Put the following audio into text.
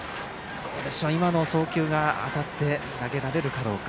今の送球が当たって投げられるかどうか。